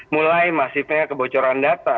mulai masifnya kebocoran data